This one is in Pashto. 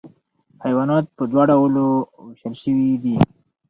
حیوانات په دوه ډلو ویشل شوي دي